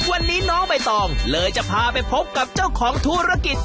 วันนี้น้องใบตองเลยจะพาไปพบกับเจ้าของธุรกิจ